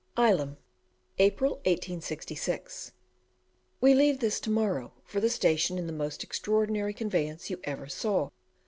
Ilam, April 1866. We leave this to morrow for the station in the most extraordinary conveyance you ever saw.